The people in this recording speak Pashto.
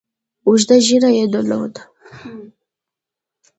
اوږده ږیره یې درلوده.